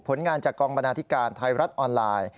ผลงานจากกองบรรณาธิการไทยรัฐออนไลน์